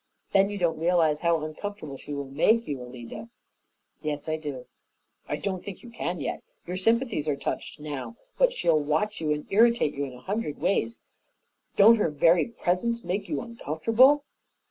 Then you don't realize how uncomfortable she will make you, Alida." "Yes, I do." "I don't think you can yet. Your sympathies are touched now, but she'll watch you and irritate you in a hundred ways. Don't her very presence make you uncomfortable?"